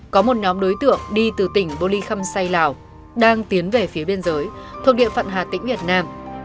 có một nhóm đối tượng đi từ tỉnh bô ly khâm xây lào đang tiến về phía biên giới thuộc địa phận hà tĩnh việt nam